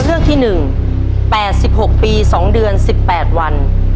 ตัวเลือกที่หนึ่งแปดสิบหกปีสองเดือนสิบแปดวัน